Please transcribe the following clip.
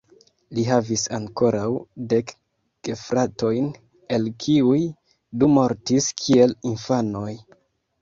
Li havis ankoraŭ dek gefratojn, el kiuj du mortis kiel infanoj.